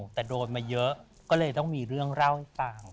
แต่โดนมาเยอะก็เลยต้องมีเรื่องเล่าให้ฟัง